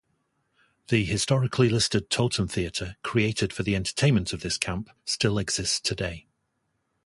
The historically-listed Totem Theatre, created for the entertainment of this camp, still exists today.